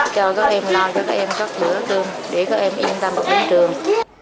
cho các em lo cho các em có chữa tương để các em yên tâm vào đến trường